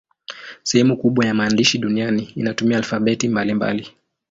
Sehemu kubwa ya maandishi duniani inatumia alfabeti mbalimbali.